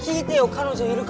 彼女いるかって。